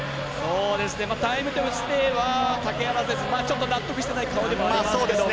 タイムとしては竹原選手ちょっと、納得してない顔でもありますが。